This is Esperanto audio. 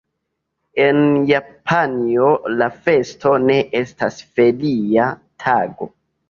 En Japanio la festo ne estas feria tago.